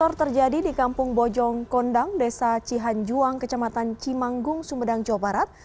lor terjadi di kampung bojong kondang desa cihanjuang kecamatan cimanggung sumedang jawa barat